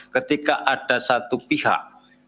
ketika ada satu pihak